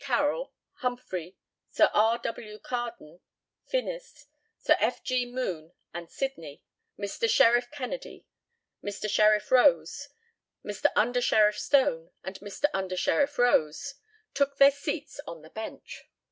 Carroll, Humphrey, Sir R. W. Carden, Finnis, Sir F. G. Moon, and Sidney, Mr. Sheriff Kennedy, Mr. Sheriff Rose, Mr. Under Sheriff Stone, and Mr. Under Sheriff Rose, took their seats on the bench.